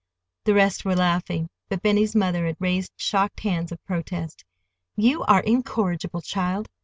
The rest were laughing; but Benny's mother had raised shocked hands of protest. "You are incorrigible, child.